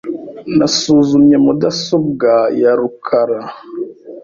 Nasuzumye mudasobwa ya rukara .